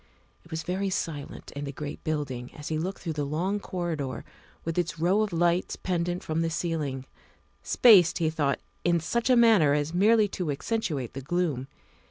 It was very silent in the great building as he looked through the long corridor with its row of lights pendent from the ceiling, spaced, he thought, in such a manner as merely to accentuate the gloom.